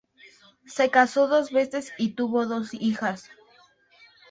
Se casó dos veces y tuvo dos hijas.